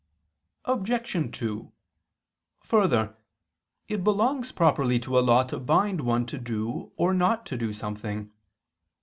Obj. 2: Further, it belongs properly to a law to bind one to do or not to do something.